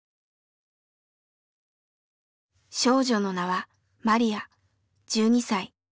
少女の名はマリヤ１２歳。